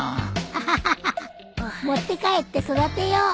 アハハハ持って帰って育てよう。